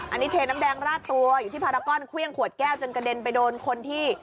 อันนี้เทน้ำแดงราดตัวอยู่ที่พารากอนเครื่องขวดแก้วจนกระเด็นไปโดนคนที่